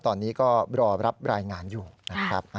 ตอนนี้ก็รอรับรายงานอยู่นะครับ